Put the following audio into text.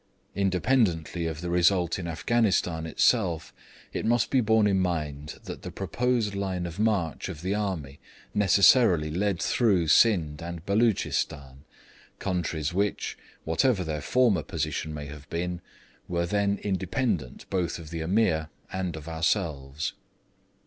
Independently of the result in Afghanistan itself, it must be borne in mind that the proposed line of march of the army necessarily led through Scinde and Beloochistan, countries which (whatever their former position may have been) were then independent both of the Ameer and of ourselves.